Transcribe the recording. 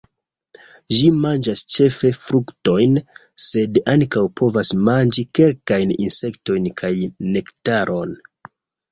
Ĝi manĝas ĉefe fruktojn, sed ankaŭ povas manĝi kelkajn insektojn kaj nektaron.